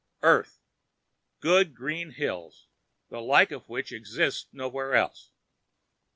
Earth. Good green hills, the like of which exists nowhere else.